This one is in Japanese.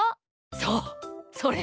そうそれ。